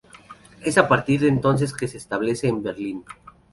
Es a partir de entonces que se establece en Berlín.